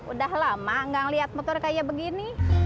udah lama gak ngeliat motor kayak begini